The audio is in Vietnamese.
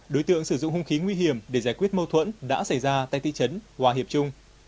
đối tượng sử dụng hung khí nguy hiểm để giải quyết mâu thuẫn đã xảy ra tại thị trấn hòa hiệp trung